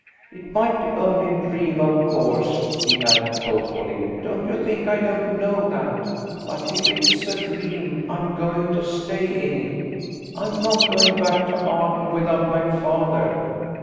It might be only a dream, of course," he added thoughtfully. "Don't you think I don't know that. But if it's a dream, I'm going to stay in it. I'm not going back to Arden without my father."